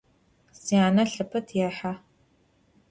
Syane lheped yêxhe.